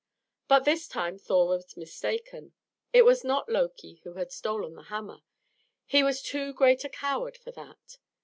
But this time Thor was mistaken. It was not Loki who had stolen the hammer he was too great a coward for that.